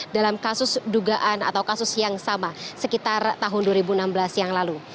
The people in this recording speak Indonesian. dalam kasus dugaan atau kasus yang sama sekitar tahun dua ribu enam belas yang lalu